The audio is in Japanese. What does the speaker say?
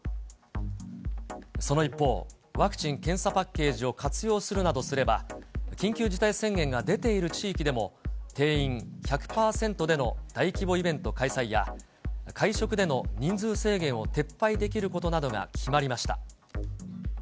その一方、ワクチン・検査パッケージを活用するなどすれば、緊急事態宣言が出ている地域でも、定員１００％での大規模イベント開催や、会食での人数制限を撤廃できることなどが決まりました。